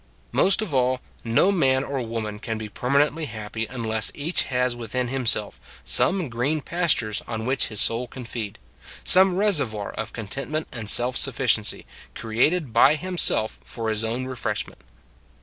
Most of all, no man or woman can be permanently happy unless each has within himself some green pastures on which his soul can feed; some reservoir of content ment and self sufficiency, created by him self for his own refreshment.